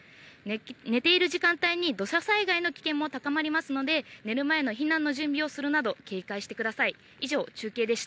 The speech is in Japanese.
寝ている時間帯に土砂災害の危険も高まりますので、寝る前の避難の準備をするなど、警戒してください。